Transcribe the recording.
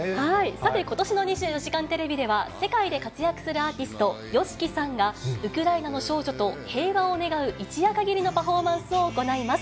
さて、ことしの２４時間テレビでは、世界で活躍するアーティスト、ＹＯＳＨＩＫＩさんが、ウクライナの少女と平和を願う一夜限りのパフォーマンスを行います。